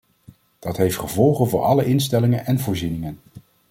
Dat heeft gevolgen voor alle instellingen en voorzieningen.